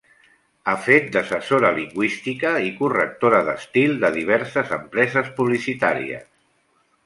Ha fet d'assessora lingüística i correctora d'estil de diverses empreses publicitàries.